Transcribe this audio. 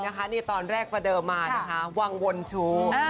แต่ว่าใดตอนแรกประเดิมมานะคะวงวนชู